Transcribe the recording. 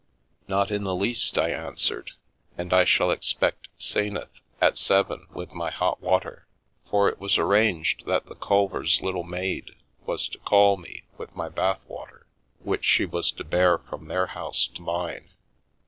" Not in the least," I answered, " and I shall expect 'Senath at seven with my hot water." For it was ar ranged that the Culvers' little maid was to call me with _^^ My Four Houses my bath water, which she was to bear from their house to mine.